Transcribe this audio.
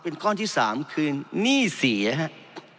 เป็นก้อนที่สามคือนี่สี่นะครับ